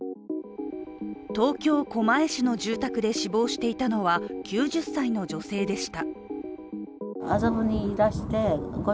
東京・狛江市の住宅で死亡していたのは９０歳の女性でした。